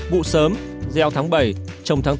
vụ sớm gieo tháng bảy trồng tháng tám